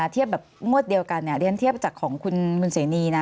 เทียบแบบงวดเดียวกันเนี่ยเรียนเทียบจากของคุณเสนีนะ